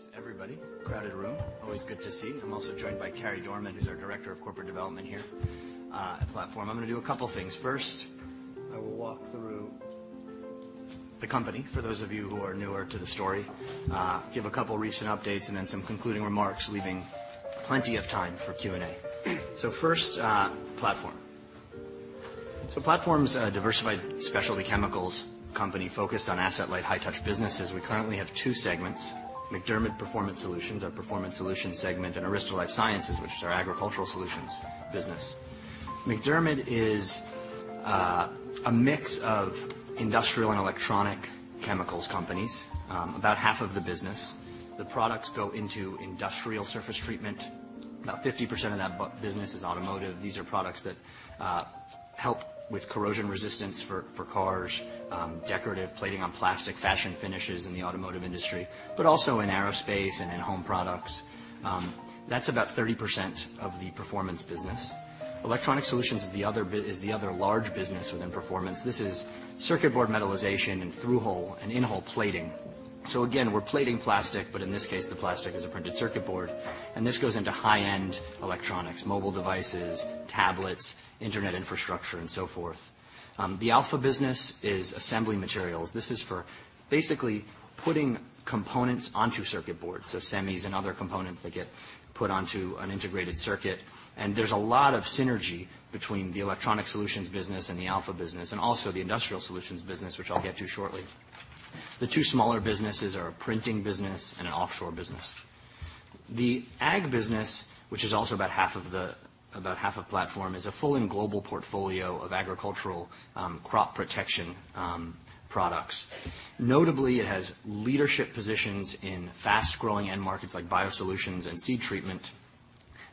Thanks, Dan. Thanks, everybody. Crowded room. Always good to see. I'm also joined by Carey Dorman, who's our Director, Corporate Development here, at Platform. I'm going to do a couple of things. First, I will walk through the company for those of you who are newer to the story, give a couple recent updates, and then some concluding remarks, leaving plenty of time for Q&A. First, Platform. Platform's a diversified specialty chemicals company focused on asset-light, high-touch businesses. We currently have two segments, MacDermid Performance Solutions, our performance solutions segment, and Arysta LifeScience, which is our agricultural solutions business. MacDermid is a mix of industrial and electronics chemicals companies, about half of the business. The products go into industrial surface treatment. About 50% of that business is automotive. These are products that help with corrosion resistance for cars, decorative plating on plastic, fashion finishes in the automotive industry, but also in aerospace and in home products. That's about 30% of the performance business. Electronics Solutions is the other large business within Performance. This is circuit board metallization and through-hole and in-hole plating. Again, we're plating plastic, but in this case, the plastic is a printed circuit board, and this goes into high-end electronics, mobile devices, tablets, internet infrastructure, and so forth. The Alpha business is assembly materials. This is for basically putting components onto circuit boards, semis and other components that get put onto an integrated circuit. There's a lot of synergy between the Electronics Solutions business and the Alpha business and also the Industrial Solutions business, which I'll get to shortly. The two smaller businesses are a printing business and an offshore business. The ag business, which is also about half of Platform, is a full and global portfolio of agricultural crop protection products. Notably, it has leadership positions in fast-growing end markets like BioSolutions and seed treatment.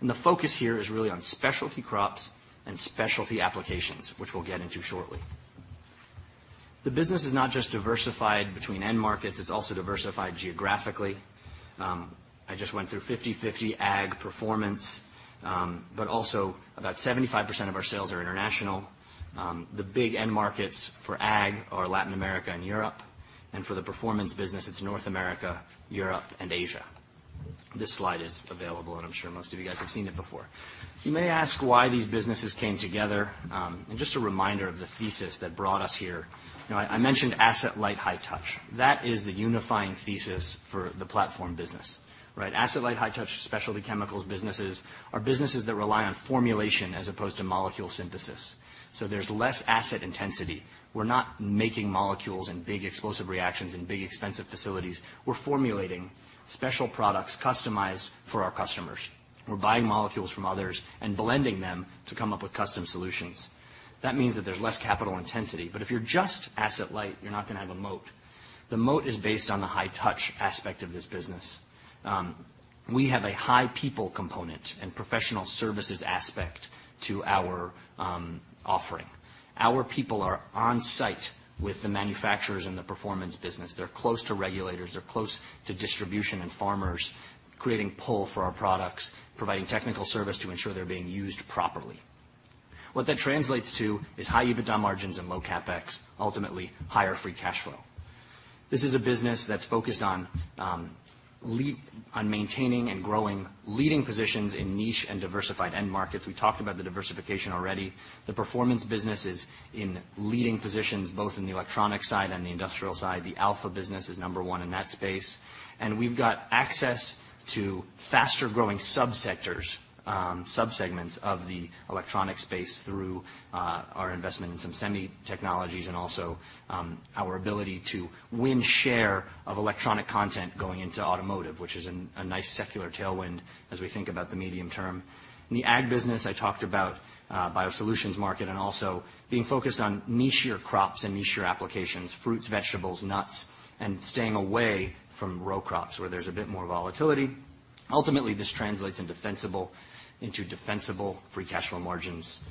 The focus here is really on specialty crops and specialty applications, which we'll get into shortly. The business is not just diversified between end markets, it's also diversified geographically. I just went through 50/50 ag performance, but also about 75% of our sales are international. The big end markets for ag are Latin America and Europe, and for the performance business, it's North America, Europe, and Asia. This slide is available, and I'm sure most of you guys have seen it before. You may ask why these businesses came together. Just a reminder of the thesis that brought us here. I mentioned asset light, high touch. That is the unifying thesis for the Platform business, right? Asset light, high touch specialty chemicals businesses are businesses that rely on formulation as opposed to molecule synthesis. There's less asset intensity. We're not making molecules in big explosive reactions in big, expensive facilities. We're formulating special products customized for our customers. We're buying molecules from others and blending them to come up with custom solutions. That means that there's less capital intensity, but if you're just asset light, you're not going to have a moat. The moat is based on the high touch aspect of this business. We have a high people component and professional services aspect to our offering. Our people are on-site with the manufacturers in the performance business. They're close to regulators. They're close to distribution and farmers, creating pull for our products, providing technical service to ensure they're being used properly. What that translates to is high EBITDA margins and low CapEx, ultimately higher free cash flow. This is a business that's focused on maintaining and growing leading positions in niche and diversified end markets. We talked about the diversification already. The performance business is in leading positions both in the electronic side and the industrial side. The Alpha business is number one in that space, and we've got access to faster-growing subsectors, subsegments of the electronic space through our investment in some semi technologies and also our ability to win share of electronic content going into automotive, which is a nice secular tailwind as we think about the medium term. In the ag business, I talked about BioSolutions market and also being focused on nichier crops and nichier applications, fruits, vegetables, nuts, and staying away from row crops where there's a bit more volatility. Ultimately, this translates into defensible free cash flow margins.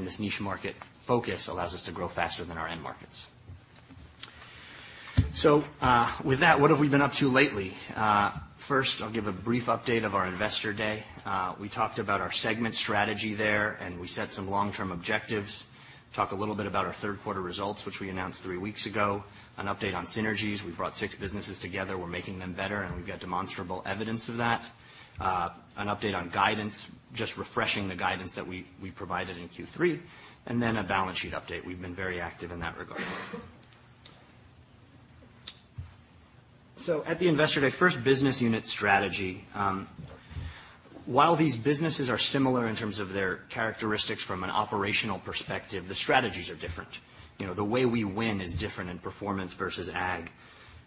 This niche market focus allows us to grow faster than our end markets. With that, what have we been up to lately? First, I'll give a brief update of our investor day. We talked about our segment strategy there, and we set some long-term objectives. Talk a little bit about our third-quarter results, which we announced three weeks ago. An update on synergies. We brought six businesses together. We're making them better, and we've got demonstrable evidence of that. An update on guidance, just refreshing the guidance that we provided in Q3, a balance sheet update. We've been very active in that regard. At the investor day, first business unit strategy. While these businesses are similar in terms of their characteristics from an operational perspective, the strategies are different. The way we win is different in performance versus ag.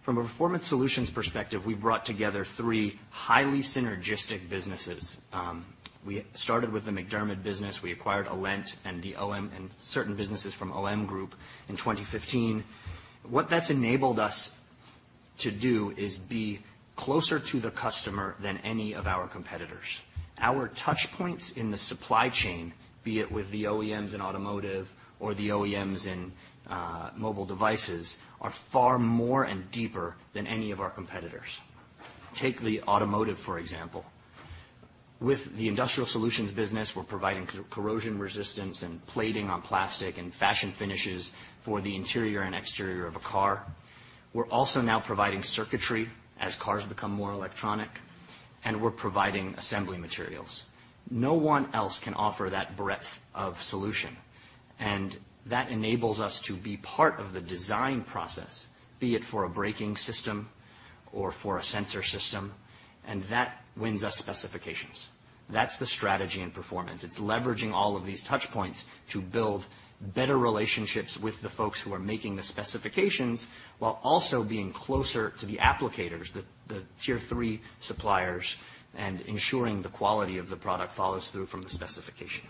From a performance solutions perspective, we've brought together three highly synergistic businesses. We started with the MacDermid business. We acquired Alent and certain businesses from OM Group in 2015. What that's enabled us to do is be closer to the customer than any of our competitors. Our touchpoints in the supply chain, be it with the OEMs in automotive or the OEMs in mobile devices, are far more and deeper than any of our competitors. Take the automotive, for example. With the Industrial Solutions business, we're providing corrosion resistance and plating on plastic and fashion finishes for the interior and exterior of a car. We're also now providing circuitry as cars become more electronic, and we're providing assembly materials. No one else can offer that breadth of solution. That enables us to be part of the design process, be it for a braking system or for a sensor system, that wins us specifications. That's the strategy in Performance. It's leveraging all of these touchpoints to build better relationships with the folks who are making the specifications, while also being closer to the applicators, the tier 3 suppliers, and ensuring the quality of the product follows through from the specification.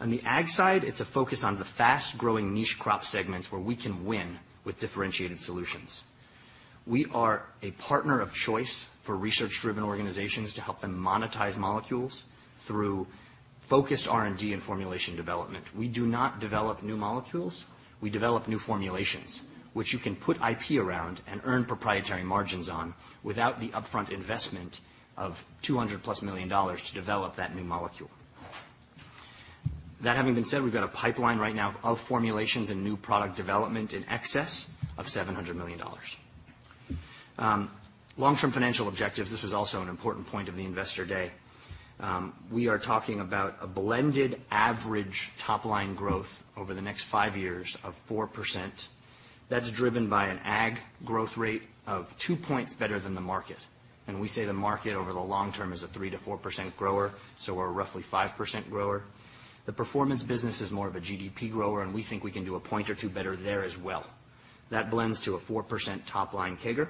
On the Ag side, it's a focus on the fast-growing niche crop segments where we can win with differentiated solutions. We are a partner of choice for research-driven organizations to help them monetize molecules through focused R&D and formulation development. We do not develop new molecules. We develop new formulations, which you can put IP around and earn proprietary margins on without the upfront investment of $200 million-plus to develop that new molecule. That having been said, we've got a pipeline right now of formulations and new product development in excess of $700 million. Long-term financial objectives, this was also an important point of the investor day. We are talking about a blended average top-line growth over the next five years of 4%. That's driven by an Ag growth rate of two points better than the market. We say the market over the long term is a 3%-4% grower, so we're roughly 5% grower. The Performance business is more of a GDP grower, and we think we can do a point or two better there as well. That blends to a 4% top-line CAGR.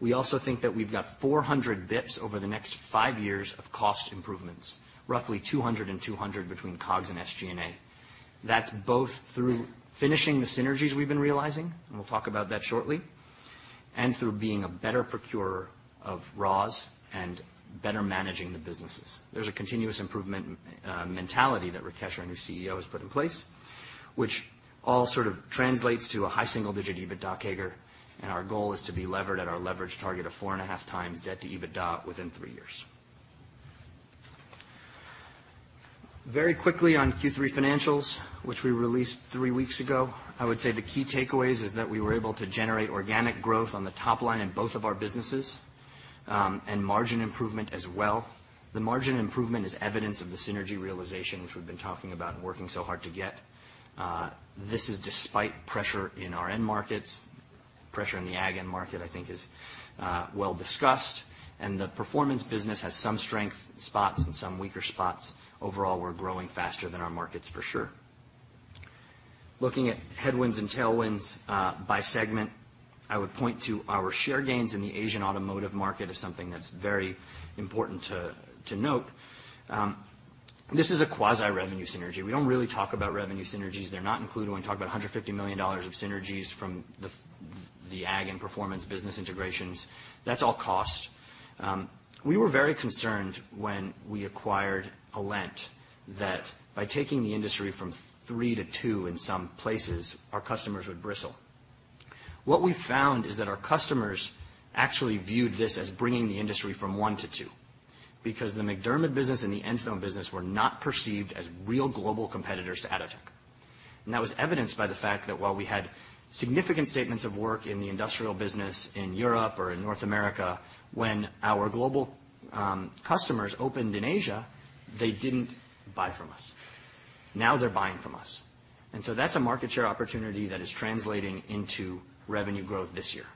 We also think that we've got 400 basis points over the next five years of cost improvements, roughly 200 and 200 between COGS and SG&A. That's both through finishing the synergies we've been realizing, and we'll talk about that shortly, and through being a better procurer of raws and better managing the businesses. There's a continuous improvement mentality that Rakesh, our new CEO, has put in place, which all sort of translates to a high single-digit EBITDA CAGR, and our goal is to be levered at our leverage target of 4.5 times debt to EBITDA within three years. Very quickly on Q3 financials, which we released three weeks ago, I would say the key takeaways is that we were able to generate organic growth on the top line in both of our businesses, and margin improvement as well. The margin improvement is evidence of the synergy realization, which we've been talking about and working so hard to get. This is despite pressure in our end markets. Pressure in the Ag end market, I think, is well discussed, and the Performance business has some strength spots and some weaker spots. Overall, we're growing faster than our markets for sure. Looking at headwinds and tailwinds by segment, I would point to our share gains in the Asian automotive market as something that's very important to note. This is a quasi-revenue synergy. We don't really talk about revenue synergies. They're not included when we talk about $150 million of synergies from the Ag and Performance business integrations. That's all cost. We were very concerned when we acquired Alent that by taking the industry from three to two in some places, our customers would bristle. What we found is that our customers actually viewed this as bringing the industry from one to two, because the MacDermid business and the Enthone business were not perceived as real global competitors to Atotech. That was evidenced by the fact that while we had significant statements of work in the industrial business in Europe or in North America, when our global customers opened in Asia, they didn't buy from us. Now they're buying from us. That's a market share opportunity that is translating into revenue growth this year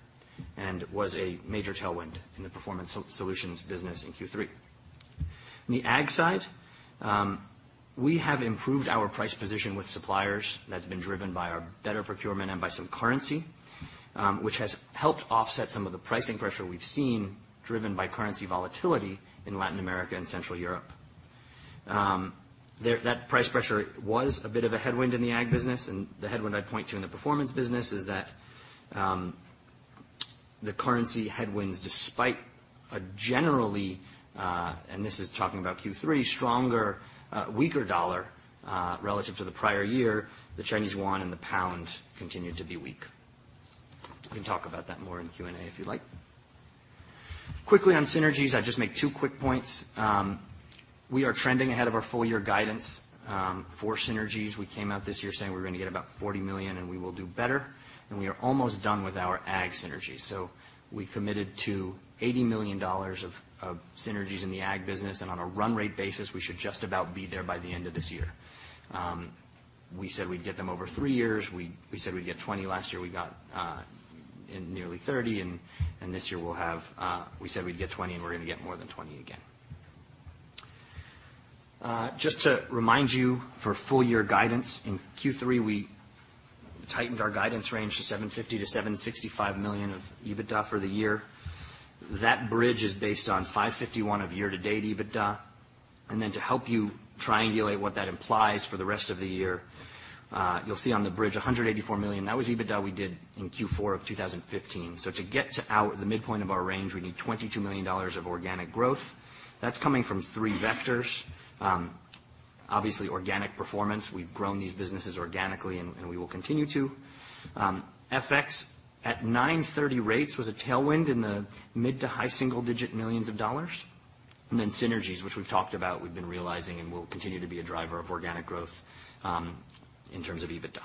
and was a major tailwind in the Performance Solutions business in Q3. On the Ag side, we have improved our price position with suppliers. That's been driven by our better procurement and by some currency, which has helped offset some of the pricing pressure we've seen driven by currency volatility in Latin America and Central Europe. That price pressure was a bit of a headwind in the Ag business. The headwind I'd point to in the Performance business is that the currency headwinds, despite a generally, and this is talking about Q3, weaker dollar relative to the prior year, the Chinese yuan and the pound continued to be weak. We can talk about that more in Q&A if you'd like. Quickly on synergies, I'd just make two quick points. We are trending ahead of our full-year guidance for synergies. We came out this year saying we were going to get about $40 million, and we will do better. We are almost done with our Ag synergies. We committed to $80 million of synergies in the Ag business, and on a run rate basis, we should just about be there by the end of this year. We said we'd get them over three years. We said we'd get 20 last year. We got nearly 30. This year, we said we'd get 20, and we're going to get more than 20 again. Just to remind you, for full-year guidance in Q3, we tightened our guidance range to $750 million-$765 million of EBITDA for the year. That bridge is based on 551 of year-to-date EBITDA. To help you triangulate what that implies for the rest of the year, you'll see on the bridge, $184 million, that was EBITDA we did in Q4 of 2015. To get to the midpoint of our range, we need $22 million of organic growth. That's coming from three vectors. Obviously, organic performance. We've grown these businesses organically, and we will continue to. FX at 9.30 rates was a tailwind in the mid to high single-digit millions of dollars. Synergies, which we've talked about, we've been realizing and will continue to be a driver of organic growth in terms of EBITDA.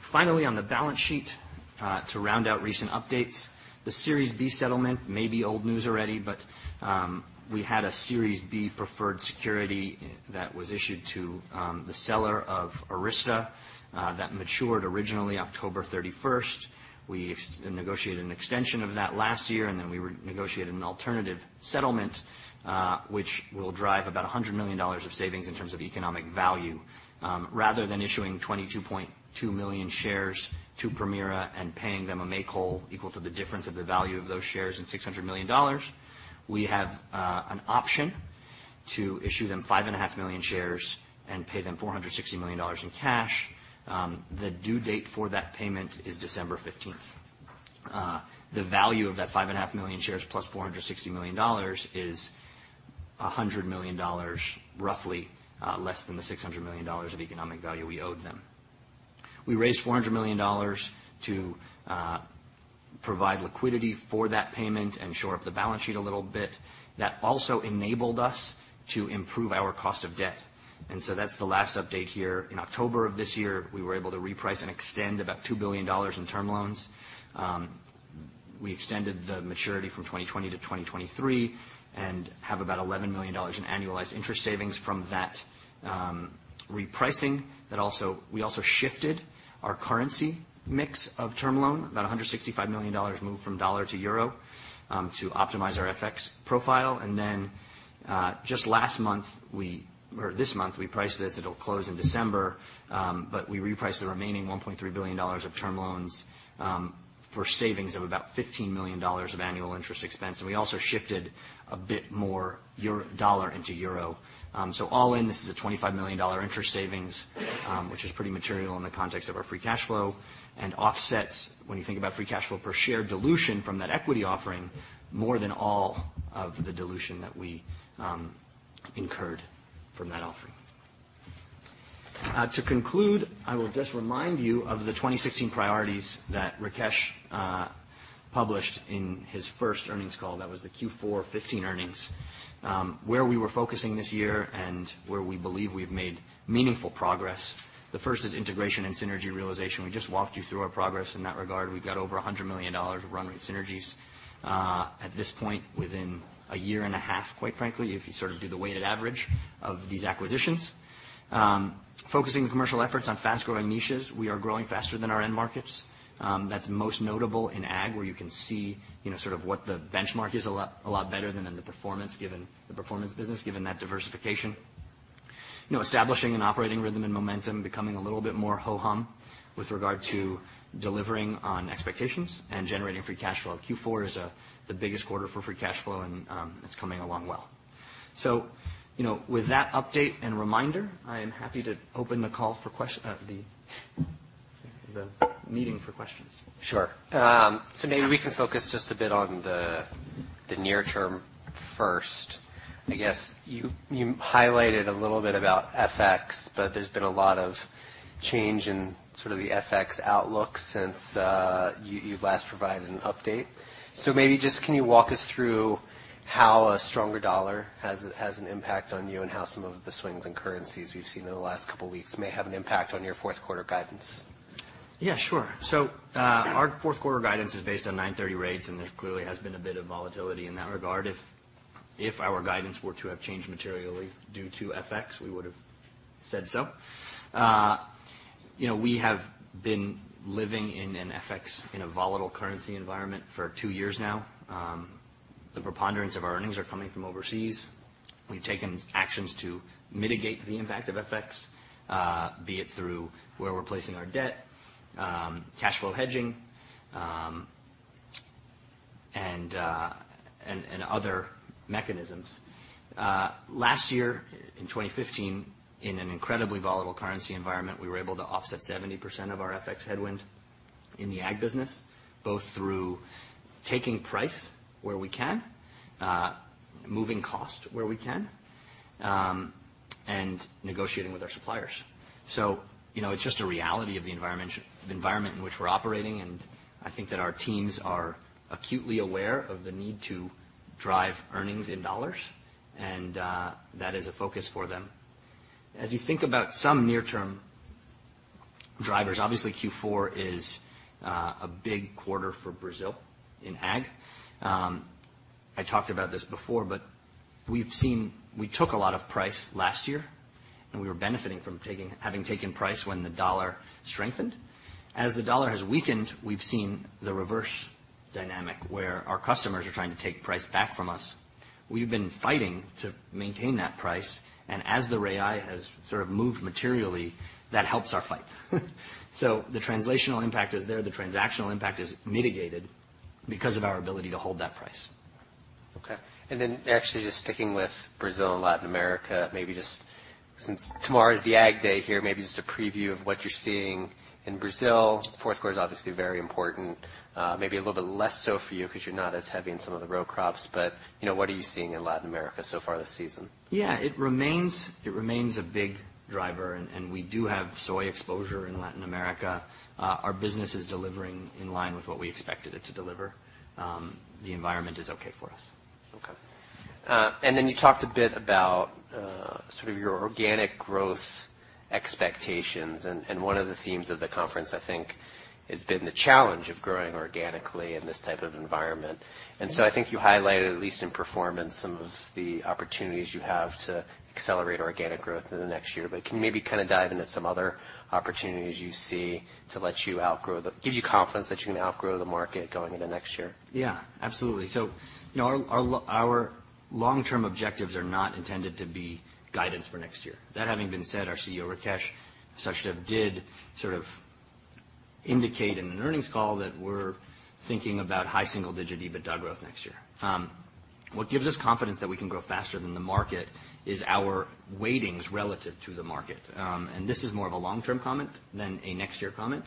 Finally, on the balance sheet, to round out recent updates. The Series B settlement may be old news already, but we had a Series B preferred security that was issued to the seller of Arysta that matured originally October 31st. We negotiated an extension of that last year. We negotiated an alternative settlement, which will drive about $100 million of savings in terms of economic value. Rather than issuing 22.2 million shares to Permira and paying them a make whole equal to the difference of the value of those shares and $600 million, we have an option to issue them 5.5 million shares and pay them $460 million in cash. The due date for that payment is December 15th. The value of that 5.5 million shares plus $460 million is $100 million, roughly less than the $600 million of economic value we owed them. We raised $400 million to provide liquidity for that payment and shore up the balance sheet a little bit. That also enabled us to improve our cost of debt. That's the last update here. In October of this year, we were able to reprice and extend about $2 billion in term loans. We extended the maturity from 2020 to 2023 and have about $11 million in annualized interest savings from that repricing. We also shifted our currency mix of term loan, about $165 million moved from dollar to euro, to optimize our FX profile. Just this month, we priced this, it'll close in December, but we repriced the remaining $1.3 billion of term loans for savings of about $15 million of annual interest expense. We also shifted a bit more USD into EUR. All in, this is a $25 million interest savings, which is pretty material in the context of our free cash flow and offsets, when you think about free cash flow per share dilution from that equity offering, more than all of the dilution that we incurred from that offering. To conclude, I will just remind you of the 2016 priorities that Rakesh published in his first earnings call, that was the Q4 2015 earnings, where we were focusing this year and where we believe we've made meaningful progress. The first is integration and synergy realization. We just walked you through our progress in that regard. We've got over $100 million of run rate synergies at this point within a year and a half, quite frankly, if you do the weighted average of these acquisitions. Focusing the commercial efforts on fast-growing niches. We are growing faster than our end markets. That's most notable in ag, where you can see what the benchmark is a lot better than in the performance business, given that diversification. Establishing an operating rhythm and momentum, becoming a little bit more ho-hum with regard to delivering on expectations and generating free cash flow. Q4 is the biggest quarter for free cash flow, and it's coming along well. With that update and reminder, I am happy to open the meeting for questions. Sure. Maybe we can focus just a bit on the near term first. I guess you highlighted a little bit about FX, but there's been a lot of change in the FX outlook since you last provided an update. Maybe just can you walk us through how a stronger dollar has an impact on you and how some of the swings in currencies we've seen in the last couple of weeks may have an impact on your fourth quarter guidance? Yeah, sure. Our fourth quarter guidance is based on 9/30 rates, and there clearly has been a bit of volatility in that regard. If our guidance were to have changed materially due to FX, we would've said so. We have been living in an FX, in a volatile currency environment for two years now. The preponderance of our earnings are coming from overseas. We've taken actions to mitigate the impact of FX, be it through where we're placing our debt, cash flow hedging, and other mechanisms. Last year, in 2015, in an incredibly volatile currency environment, we were able to offset 70% of our FX headwind in the ag business, both through taking price where we can, moving cost where we can, and negotiating with our suppliers. It's just a reality of the environment in which we're operating, and I think that our teams are acutely aware of the need to drive earnings in $, and that is a focus for them. As you think about some near-term drivers, obviously Q4 is a big quarter for Brazil in ag. I talked about this before, but we took a lot of price last year, and we were benefiting from having taken price when the $ strengthened. As the $ has weakened, we've seen the reverse dynamic, where our customers are trying to take price back from us. We've been fighting to maintain that price, and as the real has sort of moved materially, that helps our fight. The translational impact is there. The transactional impact is mitigated because of our ability to hold that price. Okay. Actually just sticking with Brazil and Latin America, since tomorrow is the ag day here, maybe just a preview of what you're seeing in Brazil. Fourth quarter is obviously very important. Maybe a little bit less so for you because you're not as heavy in some of the row crops, but what are you seeing in Latin America so far this season? Yeah, it remains a big driver, and we do have soy exposure in Latin America. Our business is delivering in line with what we expected it to deliver. The environment is okay for us. Okay. You talked a bit about your organic growth expectations, and one of the themes of the conference, I think, has been the challenge of growing organically in this type of environment. I think you highlighted, at least in performance, some of the opportunities you have to accelerate organic growth in the next year. Can you maybe dive into some other opportunities you see to give you confidence that you can outgrow the market going into next year? Our long-term objectives are not intended to be guidance for next year. That having been said, our CEO, Rakesh Sachdev, did sort of indicate in an earnings call that we're thinking about high single-digit EBITDA growth next year. What gives us confidence that we can grow faster than the market is our weightings relative to the market. This is more of a long-term comment than a next-year comment.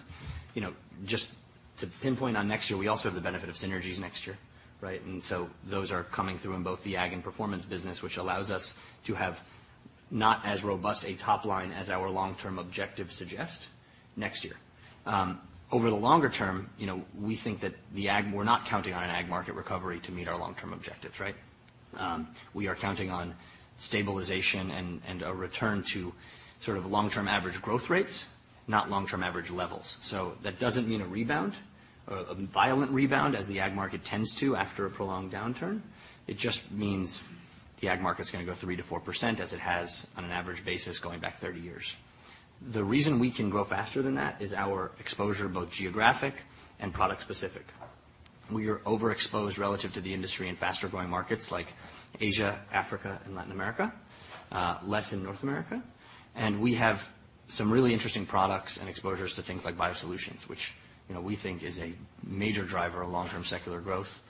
Just to pinpoint on next year, we also have the benefit of synergies next year, right? Those are coming through in both the ag and performance business, which allows us to have not as robust a top line as our long-term objectives suggest next year. Over the longer term, we're not counting on an ag market recovery to meet our long-term objectives, right? We are counting on stabilization and a return to long-term average growth rates, not long-term average levels. That doesn't mean a rebound or a violent rebound as the ag market tends to after a prolonged downturn. It just means the ag market's going to grow 3%-4% as it has on an average basis going back 30 years. The reason we can grow faster than that is our exposure, both geographic and product specific. We are overexposed relative to the industry in faster-growing markets like Asia, Africa, and Latin America, less in North America. We have some really interesting products and exposures to things like BioSolutions, which we think is a major driver of long-term secular growth.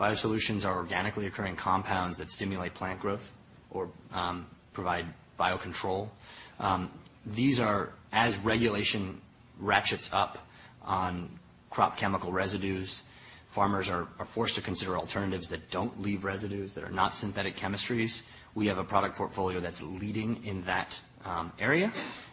BioSolutions are organically occurring compounds that stimulate plant growth or provide biocontrol. As regulation ratchets up on crop chemical residues, farmers are forced to consider alternatives that don't leave residues, that are not synthetic chemistries. We have a product portfolio that's leading in that area,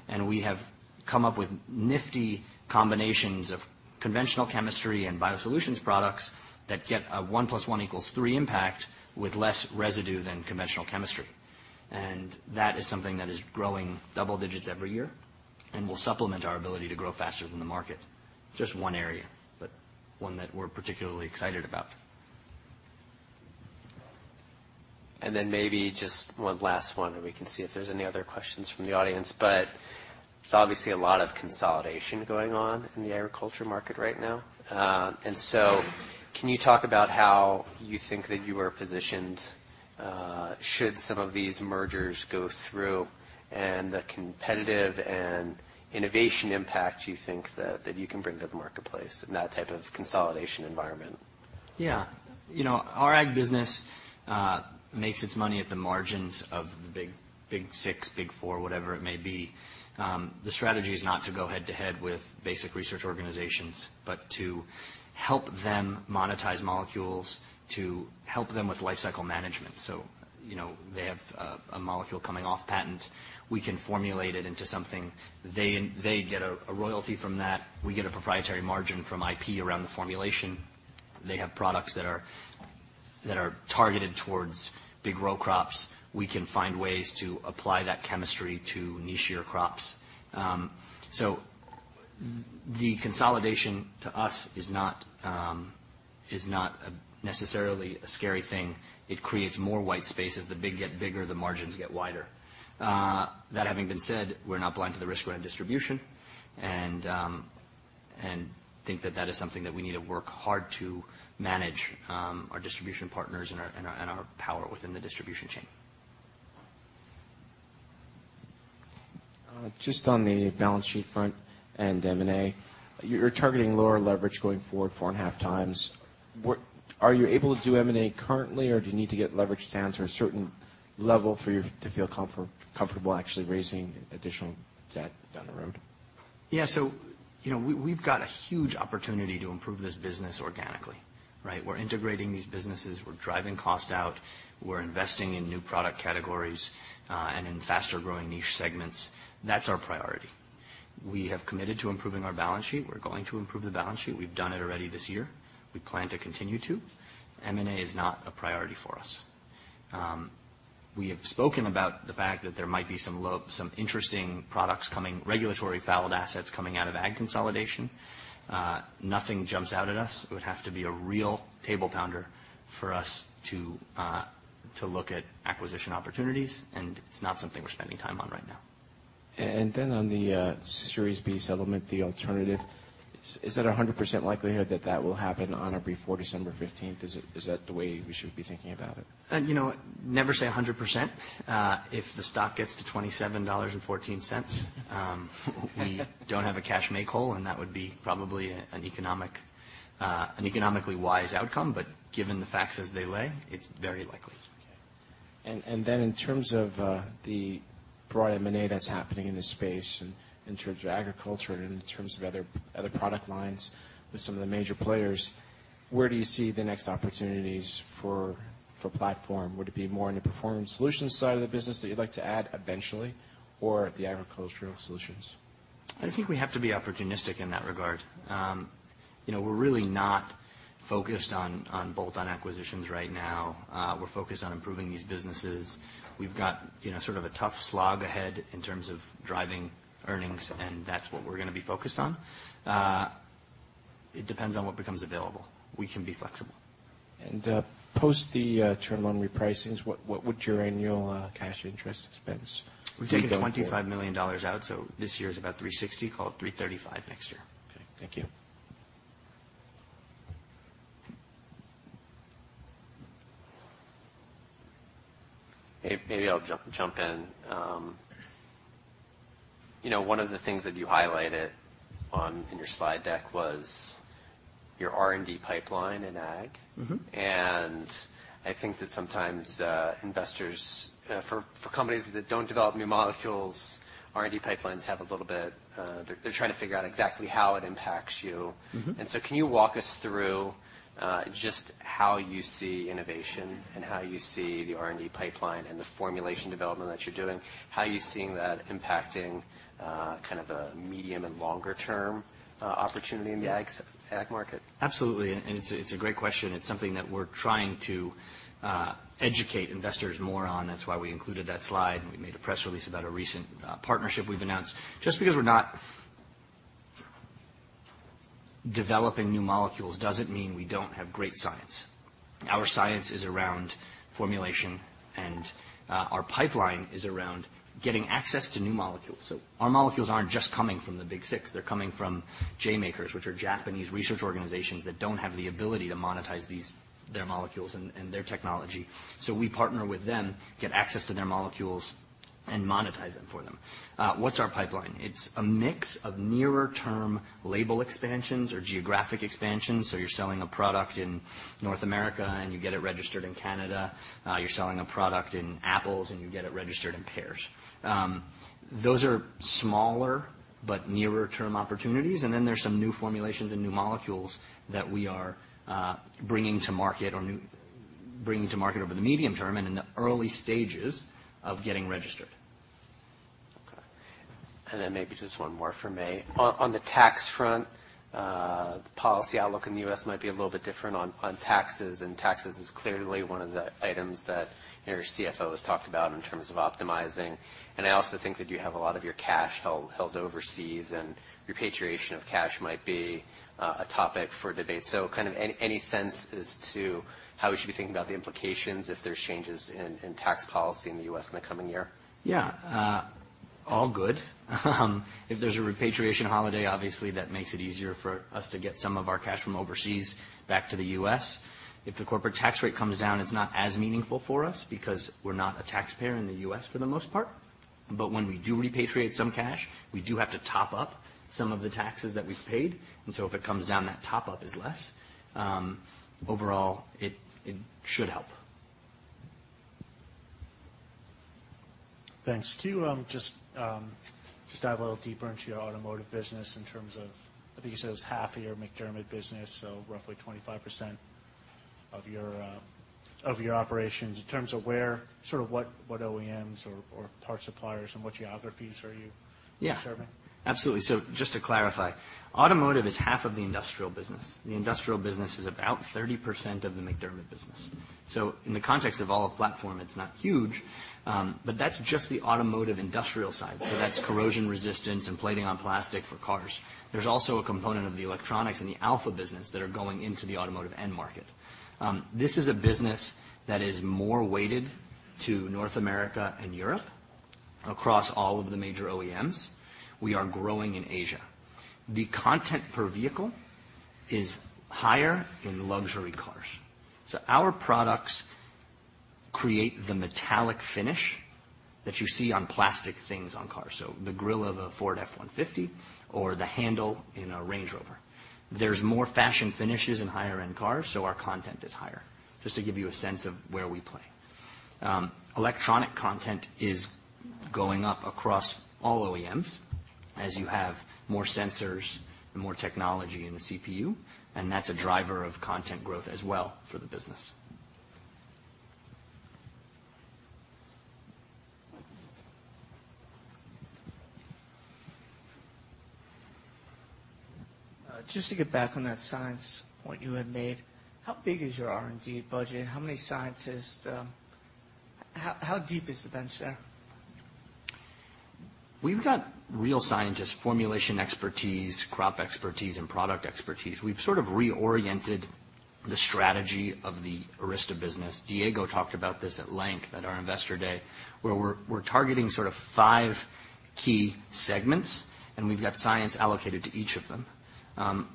and we have come up with nifty combinations of conventional chemistry and BioSolutions products that get a one plus one equals three impact with less residue than conventional chemistry. That is something that is growing double digits every year and will supplement our ability to grow faster than the market. Just one area, but one that we're particularly excited about. Maybe just one last one. We can see if there's any other questions from the audience. There's obviously a lot of consolidation going on in the agriculture market right now. Can you talk about how you think that you are positioned should some of these mergers go through, and the competitive and innovation impact you think that you can bring to the marketplace in that type of consolidation environment? Yeah. Our Ag business makes its money at the margins of the Big Six, big four, whatever it may be. The strategy is not to go head to head with basic research organizations, but to help them monetize molecules, to help them with life cycle management. They have a molecule coming off patent. We can formulate it into something. They get a royalty from that. We get a proprietary margin from IP around the formulation. They have products that are targeted towards big row crops. We can find ways to apply that chemistry to niche-ier crops. The consolidation to us is not necessarily a scary thing. It creates more white spaces. The big get bigger, the margins get wider. That having been said, we're not blind to the risk around distribution and think that that is something that we need to work hard to manage our distribution partners and our power within the distribution chain. Just on the balance sheet front and M&A, you're targeting lower leverage going forward, 4.5 times. Are you able to do M&A currently, or do you need to get leverage down to a certain level for you to feel comfortable actually raising additional debt down the road? Yeah. We've got a huge opportunity to improve this business organically, right? We're integrating these businesses. We're driving cost out. We're investing in new product categories, and in faster-growing niche segments. That's our priority. We have committed to improving our balance sheet. We're going to improve the balance sheet. We've done it already this year. We plan to continue to. M&A is not a priority for us. We have spoken about the fact that there might be some interesting products coming, regulatory fouled assets coming out of Ag consolidation. Nothing jumps out at us. It would have to be a real table pounder for us to look at acquisition opportunities, it's not something we're spending time on right now. On the Series B settlement, the alternative, is it 100% likelihood that that will happen on or before December 15th? Is that the way we should be thinking about it? Never say 100%. If the stock gets to $27.14, we don't have a cash make whole, and that would be probably an economically wise outcome. Given the facts as they lay, it's very likely. In terms of the broad M&A that's happening in this space, in terms of agriculture and in terms of other product lines with some of the major players, where do you see the next opportunities for Platform? Would it be more on the Performance Solutions side of the business that you'd like to add eventually, or the Agricultural Solutions? I think we have to be opportunistic in that regard. We're really not focused on bolt-on acquisitions right now. We're focused on improving these businesses. We've got sort of a tough slog ahead in terms of driving earnings, and that's what we're going to be focused on. It depends on what becomes available. We can be flexible. post the term loan repricings, what would your annual cash interest expense be going forward? We've taken $25 million out, so this year is about $360 million, call it $335 million next year. Okay. Thank you. Maybe I'll jump in. One of the things that you highlighted in your slide deck was your R&D pipeline in ag. I think that sometimes investors, for companies that don't develop new molecules, R&D pipelines, they're trying to figure out exactly how it impacts you. Can you walk us through just how you see innovation and how you see the R&D pipeline and the formulation development that you're doing? How are you seeing that impacting kind of the medium and longer term opportunity in the ag market? Absolutely. It's a great question. It's something that we're trying to educate investors more on. That's why we included that slide, and we made a press release about a recent partnership we've announced. Just because we're not developing new molecules doesn't mean we don't have great science. Our science is around formulation and our pipeline is around getting access to new molecules. Our molecules aren't just coming from the Big Six, they're coming from J-makers, which are Japanese research organizations that don't have the ability to monetize their molecules and their technology. We partner with them, get access to their molecules and monetize them for them. What's our pipeline? It's a mix of nearer term label expansions or geographic expansions. You're selling a product in North America, and you get it registered in Canada. You're selling a product in apples, and you get it registered in pears. Those are smaller but nearer term opportunities. There's some new formulations and new molecules that we are bringing to market over the medium term and in the early stages of getting registered. Okay. Maybe just one more for me. On the tax front, the policy outlook in the U.S. might be a little bit different on taxes. Taxes is clearly one of the items that your CFO has talked about in terms of optimizing. I also think that you have a lot of your cash held overseas. Repatriation of cash might be a topic for debate. Kind of any sense as to how we should be thinking about the implications if there's changes in tax policy in the U.S. in the coming year? Yeah. All good. If there's a repatriation holiday, obviously that makes it easier for us to get some of our cash from overseas back to the U.S. If the corporate tax rate comes down, it's not as meaningful for us because we're not a taxpayer in the U.S. for the most part. When we do repatriate some cash, we do have to top up some of the taxes that we've paid. If it comes down, that top up is less. Overall, it should help. Thanks. Can you just dive a little deeper into your automotive business in terms of, I think you said it was half of your MacDermid business, so roughly 25% of your operations. In terms of where, sort of what OEMs or part suppliers and what geographies are you serving? Yeah. Absolutely. Just to clarify, automotive is half of the industrial business. The industrial business is about 30% of the MacDermid business. In the context of all of Platform, it's not huge. That's just the automotive industrial side. That's corrosion resistance and plating on plastic for cars. There's also a component of the electronics and the Alpha business that are going into the automotive end market. This is a business that is more weighted to North America and Europe across all of the major OEMs. We are growing in Asia. The content per vehicle is higher in luxury cars. Our products create the metallic finish that you see on plastic things on cars. The grill of a Ford F-150 or the handle in a Range Rover. There's more fashion finishes in higher-end cars, so our content is higher, just to give you a sense of where we play. Electronic content is going up across all OEMs as you have more sensors and more technology in the CPU. That's a driver of content growth as well for the business. Just to get back on that science point you had made, how big is your R&D budget? How many scientists? How deep is the bench there? We've got real scientists, formulation expertise, crop expertise and product expertise. We've sort of reoriented the strategy of the Arysta business. Diego talked about this at length at our investor day, where we're targeting sort of five key segments. We've got science allocated to each of them.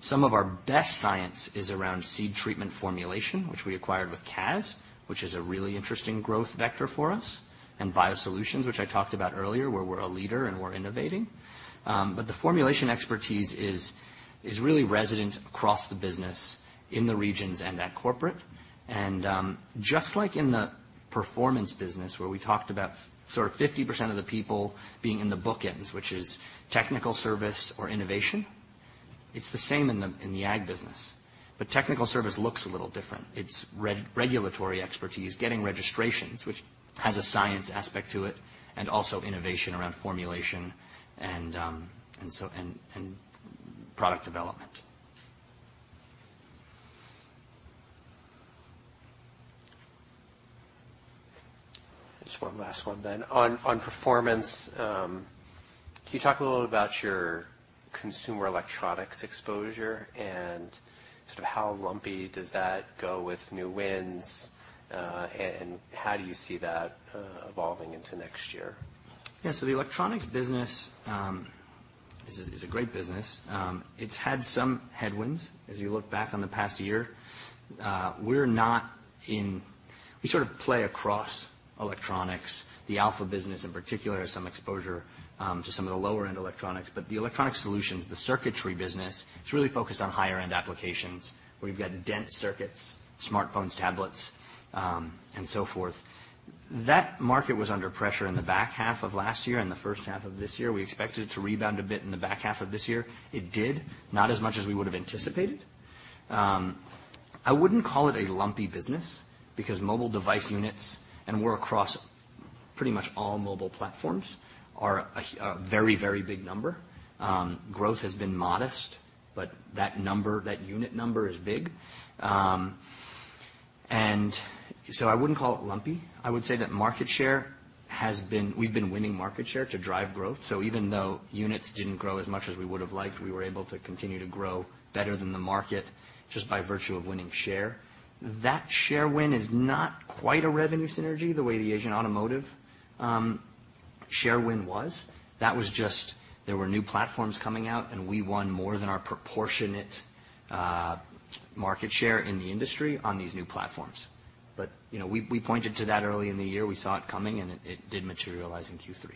Some of our best science is around seed treatment formulation, which we acquired with CAS, which is a really interesting growth vector for us. BioSolutions, which I talked about earlier, where we're a leader and we're innovating. The formulation expertise is really resident across the business, in the regions and at corporate. Just like in the performance business, where we talked about 50% of the people being in the bookends, which is technical service or innovation, it's the same in the ag business. Technical service looks a little different. It's regulatory expertise, getting registrations, which has a science aspect to it. Also innovation around formulation and product development. Just one last one then. On performance, can you talk a little about your consumer electronics exposure, and sort of how lumpy does that go with new wins, and how do you see that evolving into next year? Yeah. The electronics business is a great business. It's had some headwinds as you look back on the past year. We sort of play across electronics. The Alpha business in particular has some exposure to some of the lower-end electronics. The Electronics Solutions, the circuitry business, it's really focused on higher-end applications, where you've got dense circuits, smartphones, tablets, and so forth. That market was under pressure in the back half of last year and the first half of this year. We expected it to rebound a bit in the back half of this year. It did, not as much as we would've anticipated. I wouldn't call it a lumpy business because mobile device units, and we're across pretty much all mobile platforms, are a very big number. Growth has been modest, but that unit number is big. I wouldn't call it lumpy. I would say that we've been winning market share to drive growth. Even though units didn't grow as much as we would've liked, we were able to continue to grow better than the market just by virtue of winning share. That share win is not quite a revenue synergy the way the Asian automotive share win was. That was just there were new platforms coming out, and we won more than our proportionate market share in the industry on these new platforms. We pointed to that early in the year. We saw it coming, and it did materialize in Q3.